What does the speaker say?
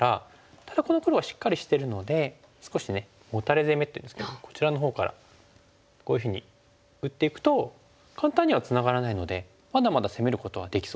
ただこの黒はしっかりしてるので少しモタレ攻めっていうんですけどもこちらのほうからこういうふうに打っていくと簡単にはツナがらないのでまだまだ攻めることはできそうですよね。